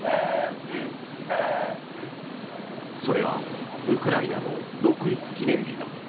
それはウクライナの独立記念日だ。